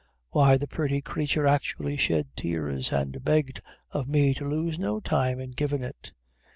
Why, the purty creature actually shed tears, and begged of me to lose no time in givin' it.